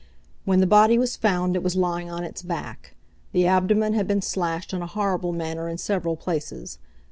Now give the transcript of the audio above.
When the body was found it was lying on its back. The abdomen had been slashed in a horrible manner in several places.